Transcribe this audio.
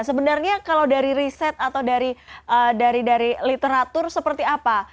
ini bisa mengutuk kita kalau dari riset atau dari literatur seperti apa